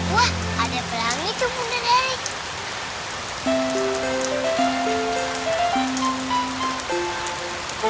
wah ada pelangi tuh bunda dari